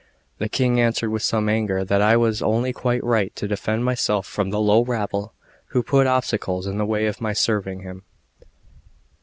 The King answered with some anger that I was only quite right to defend myself from the low rabble who put obstacles in the way of my serving him.